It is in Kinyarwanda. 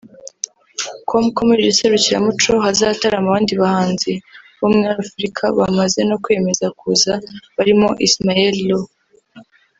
com ko muri iri serukiramuco hazatarama abandi bahanzi bo muri Afurika bamaze no kwemeza kuza barimo Ismael Lo